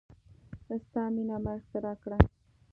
ستا میینه ما اختراع کړه